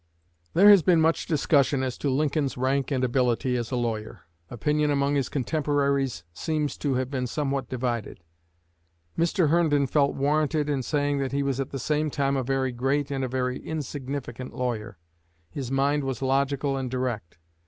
There has been much discussion as to Lincoln's rank and ability as a lawyer. Opinion among his contemporaries seems to have been somewhat divided. Mr. Herndon felt warranted in saying that he was at the same time a very great and a very insignificant lawyer. His mind was logical and direct.